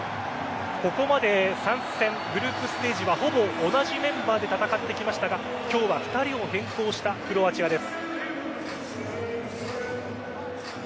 ここまで３戦グループステージはほぼ同じメンバーで戦ってきましたが今日は２人を変更したクロアチアです。